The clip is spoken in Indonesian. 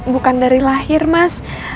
bukan dari lahir mas